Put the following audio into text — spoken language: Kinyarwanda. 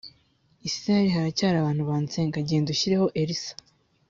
isirayeli haracyari abantu bansenga genda ushyireho elisa